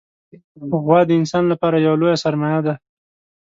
غوا د انسان لپاره یوه لویه سرمایه ده.